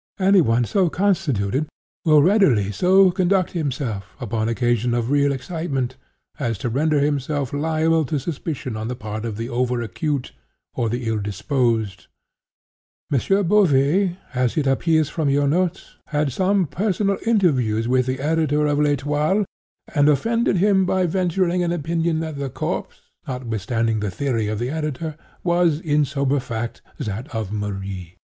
Any one so constituted will readily so conduct himself, upon occasion of real excitement, as to render himself liable to suspicion on the part of the over acute, or the ill disposed. M. Beauvais (as it appears from your notes) had some personal interviews with the editor of L'Etoile, and offended him by venturing an opinion that the corpse, notwithstanding the theory of the editor, was, in sober fact, that of Marie.